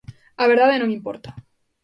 A verdade non importa.